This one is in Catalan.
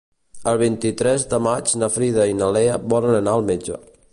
El vint-i-tres de maig na Frida i na Lea volen anar al metge.